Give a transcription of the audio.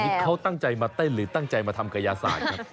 นี่เขาตั้งใจมาเต้นหรือตั้งใจมาทำกระยาศาสตร์ครับ